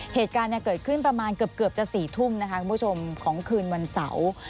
เหตุการณ์เกิดขึ้นประมาณเกือบจะ๔ทุ่มนะคะคุณผู้ชมของคืนวันเสาร์